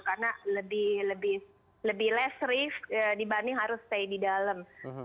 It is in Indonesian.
karena lebih less risk dibanding harus stay di dalam